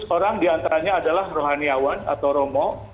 seratus orang diantaranya adalah rohaniawan atau romo